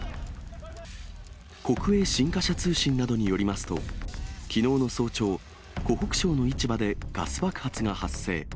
国営新華社通信などによりますと、きのうの早朝、湖北省の市場でガス爆発が発生。